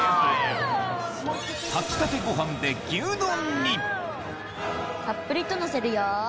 炊きたてご飯で牛丼にたっぷりとのせるよ。